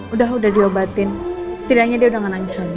udah udah diobatin setidaknya dia udah gak nangis lagi